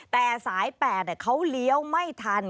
แต่สาย๘เขาเลี้ยวไม่ทัน